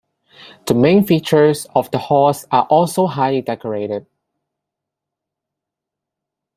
The main features of the horse are also highly decorated.